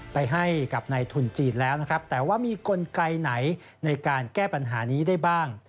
ไปให้กับในทุนจีนแล้วนะครับแต่ว่ามีกลไกไหนในการแก้ปัญหานี้ได้บ้าง